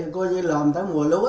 cái xong xưa